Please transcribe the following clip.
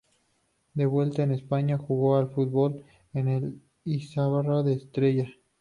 De vuelta a España jugó al fútbol en el Izarra de Estella.